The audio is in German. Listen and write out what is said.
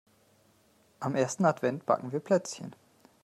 Am ersten Advent backen wir Plätzchen.